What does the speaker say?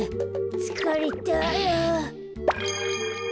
つかれたあ。